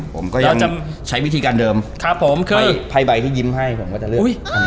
ผมก็ยังจะใช้วิธีการเดิมครับผมคือไพ่ใบที่ยิ้มให้ผมก็จะเลือก